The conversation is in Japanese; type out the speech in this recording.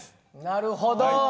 なるほど。